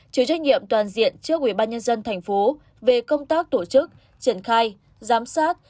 chịu trách nhiệm toàn diện trước ubnd tp về công tác tổ chức triển khai giám sát